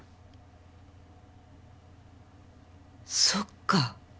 そっか。